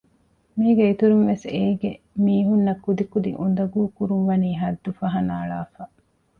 މީގެ އިތުރުންވެސް އެގޭ މީހުންނަށް ކުދިކުދި އުނދަގޫކުރުން ވަނީ ހައްދުފަހަނަ އަޅާފަ